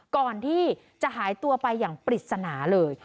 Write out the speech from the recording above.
ก่อนที่จะหายตัวไปอย่างปริศนาเลย